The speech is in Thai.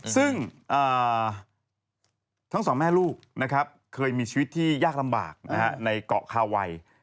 ซึ่งทั้งสองแม่ลูกนะครับเคยมีชีวิตที่ยากลำบากในเกาะคาไว